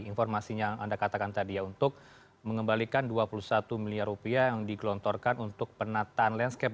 informasinya anda katakan tadi ya untuk mengembalikan dua puluh satu miliar rupiah yang digelontorkan untuk penataan landscape